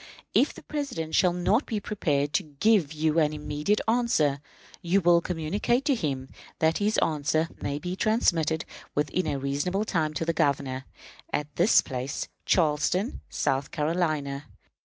If the President shall not be prepared to give you an immediate answer, you will communicate to him that his answer may be transmitted within a reasonable time to the Governor at this place (Charleston, South Carolina).